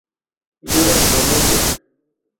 Yurak kunuku